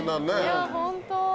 いやホント。